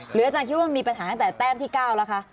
อาจารย์คิดว่ามีปัญหาตั้งแต่แต้มที่๙แล้วคะ